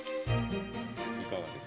いかがですか？